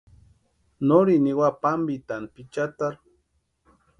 Norini niwa pámpitani Pichataru.